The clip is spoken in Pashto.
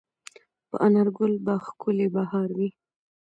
په انارګل به ښکلی بهار وي